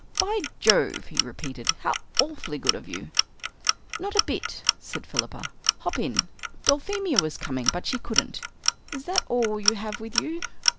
"By Jove!" he repeated, "how awfully good of you!" "Not a bit," said Philippa. "Hop in. Dulphemia was coming, but she couldn't. Is that all you have with you?"